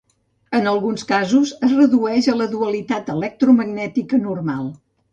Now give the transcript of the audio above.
En alguns casos, es redueix a la dualitat electromagnètica normal.